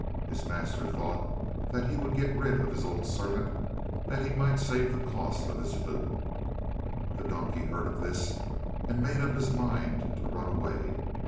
His master thought that he would get rid of his old servant, that he might save the cost of his food. The donkey heard of this, and made up his mind to run away.